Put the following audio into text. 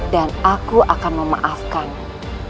dan aku akan memaafkanmu